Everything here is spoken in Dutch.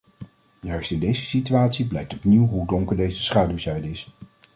Juist in deze situatie blijkt opnieuw hoe donker deze schaduwzijde is.